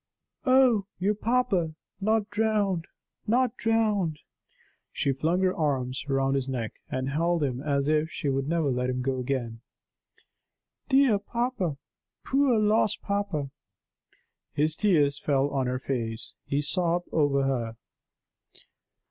"Oh! you are papa! Not drowned! not drowned!" She flung her arms round his neck, and held him as if she would never let him go again. "Dear papa! Poor lost papa!" His tears fell on her face; he sobbed over her.